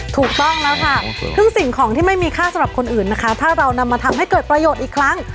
ถูกต้องแล้วค่ะซึ่งสิ่งของที่ไม่มีค่าสำหรับคนอื่นนะคะถ้าเรานำมาทำให้เกิดประโยชน์อีกครั้ง